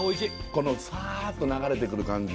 このサーッと流れてくる感じ